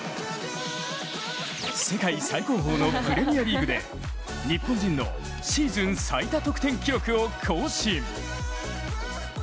世界最高峰のプレミアリーグで日本人のシーズン最多得点記録を更新。